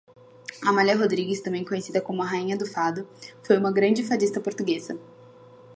Amália Rodrigues, também conhecida como "a rainha do fado", foi uma grande fadista portuguesa.